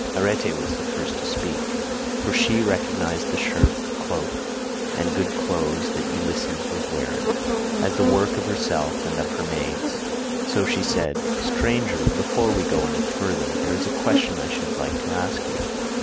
Arete was the first to speak, for she recognised the shirt, cloak, and good clothes that Ulysses was wearing, as the work of herself and of her maids; so she said, "Stranger, before we go any further, there is a question I should like to ask you.